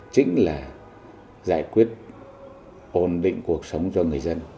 chính là giải quyết ổn định cuộc sống cho người dân